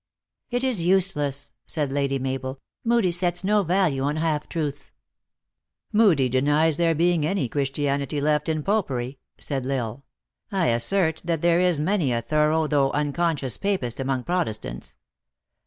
" It is useless," said Lady Mabel. " Moodie sets no value on half truths." " Moodie denies there being any Christianity left in Popery," said L Isle. " I assert that there is many a thorough, though unconscious Papist among Protes tants.